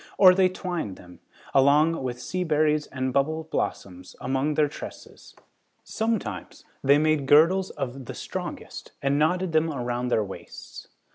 Or, they twined them, along with sea berries and bubble blossoms, among their tresses. Sometimes they made girdles of the strongest and knotted them around their waists.